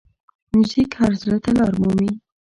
موزیک هر زړه ته لاره مومي.